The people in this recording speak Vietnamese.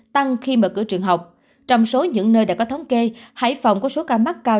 tăng khi mở cửa trường học trong số những nơi đã có thống kê hải phòng có số ca mắc cao